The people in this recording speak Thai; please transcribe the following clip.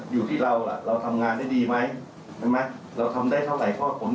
อยู่ที่เราเราทำงานได้ดีไหมเราทำได้เท่าไหร่พ่อผม